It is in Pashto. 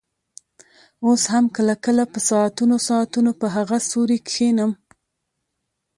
اوس هم کله کله په ساعتونو ساعتونو په هغه سوري کښېنم.